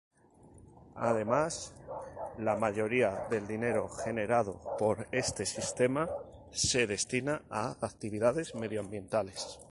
Además, la mayoría del dinero generado por este sistema se destina a actividades medioambientales.